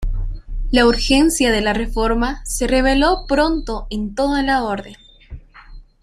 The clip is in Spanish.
La urgencia de la reforma se reveló pronto en toda la orden.